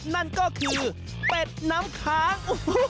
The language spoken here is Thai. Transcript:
นั่นก็คือเป็ดน้ำค้าง